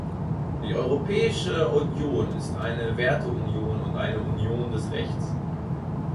Die Europäische Union ist eine Werteunion und eine Union des Rechts.